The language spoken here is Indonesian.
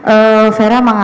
eee vera mengatakan